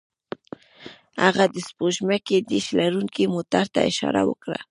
هغه د سپوږمکۍ ډیش لرونکي موټر ته اشاره وکړه